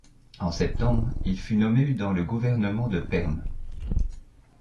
En septembre, il fut nommé dans le gouvernement de Perm.